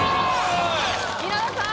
稲田さん。